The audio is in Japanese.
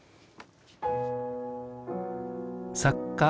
作家